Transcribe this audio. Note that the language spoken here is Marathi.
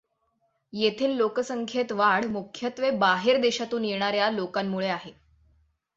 येथील लोकसंख्येतील वाढ मुख्यत्वे बाहेरदेशातून येणाऱ्या लोकांमुळे आहे.